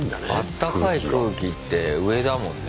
あったかい空気って上だもんね。